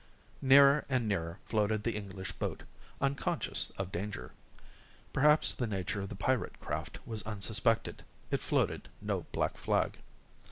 Nearer and nearer floated the English boat, unconscious of danger. Perhaps the nature of the pirate craft was unsuspected. It floated no black flag.